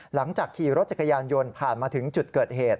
หลังจากขี่รถจักรยานยนต์ผ่านมาถึงจุดเกิดเหตุ